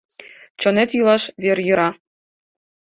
Чонет йӱлаш вер йӧра